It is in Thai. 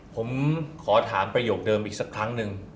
ผมขอถามประโยคเดิมอีกสักครั้งหนึ่ง